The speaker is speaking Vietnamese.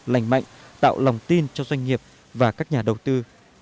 lành mạnh tạo lòng tin cho doanh nghiệp và các nhà đầu tư